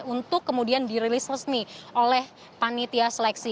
untuk kemudian dirilis resmi oleh panitia seleksi